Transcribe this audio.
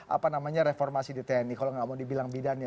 apa namanya reformasi di tni kalau nggak mau dibilang bidannya